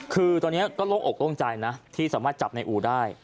คือตอนนี้ก็โล่งอกโล่งใจนะที่สามารถจับในอู่ได้